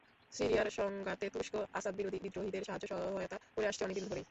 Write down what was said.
সিরিয়ার সংঘাতে তুরস্ক আসাদবিরোধী বিদ্রোহীদের সাহায্য-সহায়তা করে আসছে অনেক দিন ধরেই।